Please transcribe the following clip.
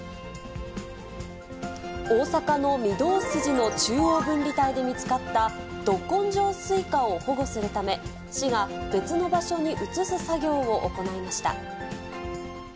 大阪の御堂筋の中央分離帯で見つかった、ど根性スイカを保護するため、市が別の場所に移す作業を行いました。